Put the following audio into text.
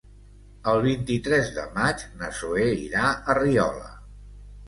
El vint-i-tres de maig na Zoè irà a Riola.